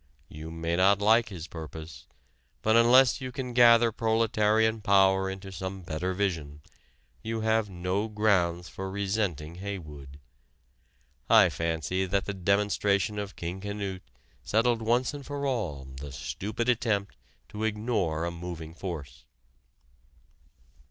You may not like his purpose, but unless you can gather proletarian power into some better vision, you have no grounds for resenting Haywood. I fancy that the demonstration of King Canute settled once and for all the stupid attempt to ignore a moving force.